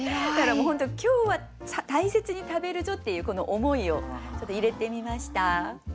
だから本当今日は大切に食べるぞっていうこの思いを入れてみました。